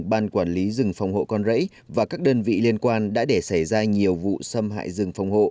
ban quản lý rừng phòng hộ con rẫy và các đơn vị liên quan đã để xảy ra nhiều vụ xâm hại rừng phòng hộ